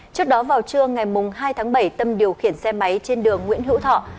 trước đó vào trưa ngày hai tháng bảy tâm điều khiển xe máy trên đường nguyễn hữu thọ